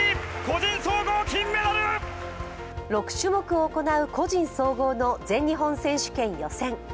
６種目行う個人総合の全日本選手権予選。